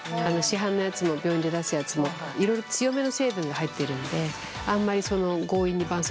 市販のやつも病院で出すやつもいろいろ強めの成分が入っているのであんまり強引にばん